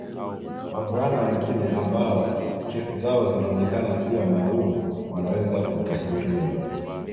Wavulana wengine ambao kesi zao zinaonekana kuwa maalum wanaweza kutahiriwa